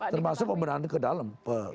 termasuk pemberantasan ke dalam